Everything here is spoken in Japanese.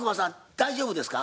大丈夫ですか？